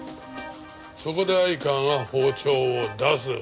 そこで相川が包丁を出す。